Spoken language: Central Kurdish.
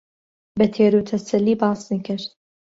بە تێروتەسەلی باسی کرد